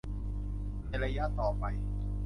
ในระยะต่อไป